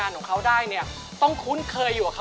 อยู่ที่คุณพร้อม